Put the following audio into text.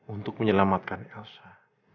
untuk menyelamatkan elsa